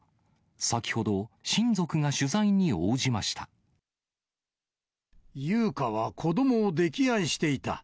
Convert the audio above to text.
先ほど、優花は子どもを溺愛していた。